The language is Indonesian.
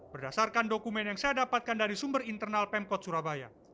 berdasarkan dokumen yang saya dapatkan dari sumber internal pemkot surabaya